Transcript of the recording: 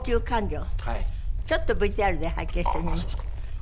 ちょっとＶＴＲで拝見してみます。